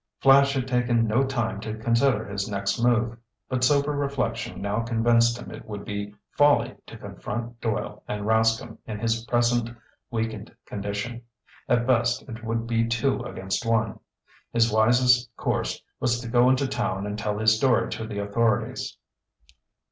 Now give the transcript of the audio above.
Flash had taken no time to consider his next move. But sober reflection now convinced him it would be folly to confront Doyle and Rascomb in his present weakened condition. At best, it would be two against one. His wisest course was to go into town and tell his story to the authorities.